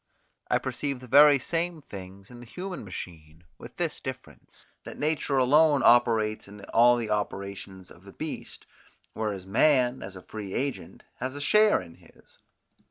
I perceive the very same things in the human machine, with this difference, that nature alone operates in all the operations of the beast, whereas man, as a free agent, has a share in his.